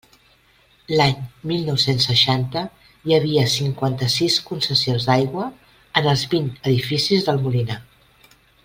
L'any mil nou-cents seixanta hi havia cinquanta-sis concessions d'aigua en els vint edificis del Molinar.